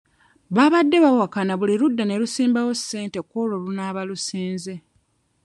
Baabadde bawakana buli ludda ne lusimbawo ssente ku olwo olunaaba lusinze.